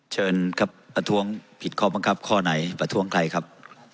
เชิญครับประท้วงผิดข้อบังคับข้อไหนประท้วงใครครับ